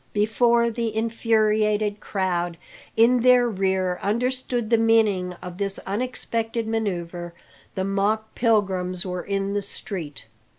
Before the infuriated crowd in their rear understood the meaning of this unexpected manoeuvre, the mock pilgrims were in the street.